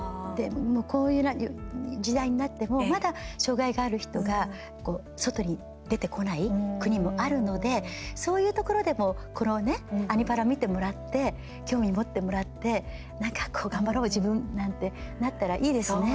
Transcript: こういう時代になってもまだ、障がいがある人が外に出てこない国もあるのでそういうところでもこの「アニ×パラ」見てもらって興味持ってもらってなんか頑張ろう、自分なんてなったらいいですね。